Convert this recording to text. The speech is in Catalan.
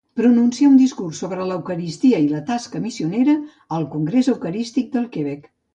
Pronuncià un discurs sobre l'Eucaristia i la tasca missionera al Congrés Eucarístic del Quebec.